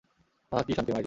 আহ, কী শান্তি মাইরি!